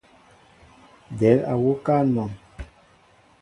Del á wuká anɔn.